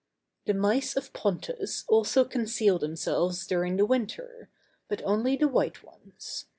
_] The mice of Pontus also conceal themselves during the winter; but only the white ones.